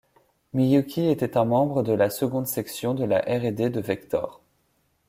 Miyuki était un membre de la seconde section de la R&D de Vector.